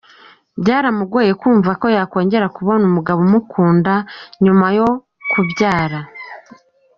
Byaramugoye kumva ko yakongera kubona umugabo umukunda nyuma yo kubyara:.